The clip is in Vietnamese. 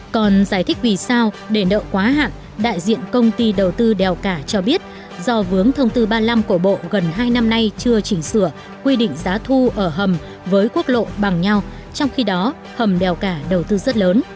còn giải thích vì sao để nợ quá hạn đại diện công ty đầu tư đèo cả cho biết do vướng thông tư ba mươi năm cổ bộ gần hai năm nay chưa chỉnh sửa quy định giá thu ở hầm với quốc lộ bằng nhau trong khi đó hầm đèo cả đầu tư rất lớn